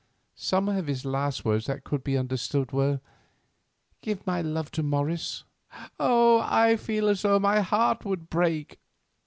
Some of his last words that could be understood were, 'Give my love to Morris.' Oh! I feel as though my heart would break.